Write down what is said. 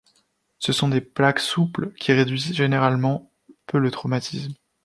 Ce sont des plaques souples qui réduisent généralement peu le traumatisme.